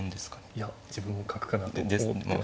いや自分も角かなと思ってました。